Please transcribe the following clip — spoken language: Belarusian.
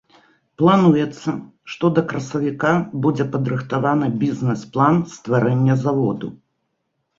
Плануецца, што да красавіка будзе падрыхтаваны бізнэс-план стварэння заводу.